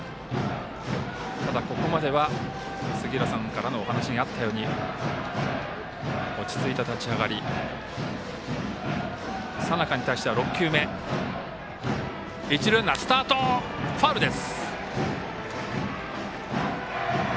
ただ、ここまでは杉浦さんからのお話があったように落ち着いた立ち上がり。一塁ランナー、スタートファウルです。